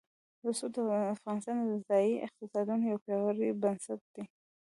رسوب د افغانستان د ځایي اقتصادونو یو پیاوړی بنسټ دی.